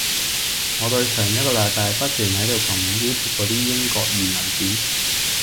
我對上一個禮拜不斷喺度撳 YouTube 嗰啲英國移民片